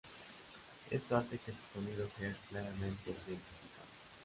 Eso hace que su sonido sea claramente identificable.